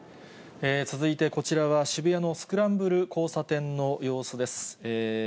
続いて、こちらは渋谷のスクランブル交差点の様子です。